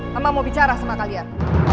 mama mau bicara sama kalian